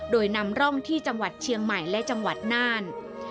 โดยนำร่องที่จังหวัดเชียงใหม่และจังหวัดน่าน